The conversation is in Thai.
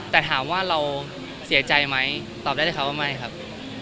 แต่ถามว่าเราเสียใจไหมตอบได้เลยครับว่าไม่ครับ